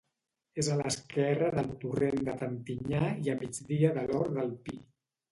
És a l'esquerra del torrent de Tantinyà i a migdia de l'Hort del Pi.